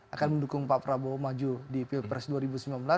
akan mendukung pak prabowo maju di pilpres dua ribu sembilan belas